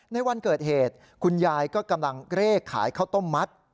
ในวันเกิดเหตุคุณยายก็กำลังเร่ขายข้าวต้มมัด